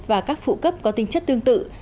và các phụ cấp có tính chất tương tự